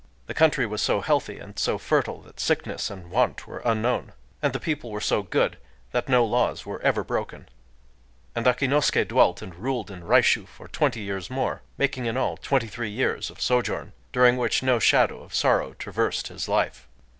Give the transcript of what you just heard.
The country was so healthy and so fertile that sickness and want were unknown; and the people were so good that no laws were ever broken. And Akinosuké dwelt and ruled in Raishū for twenty years more,—making in all twenty three years of sojourn, during which no shadow of sorrow traversed his life.